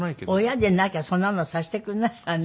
親でなきゃそんなのさせてくれないからね。